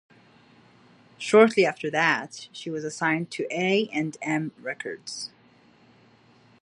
Shortly after that, she was signed to A and M Records.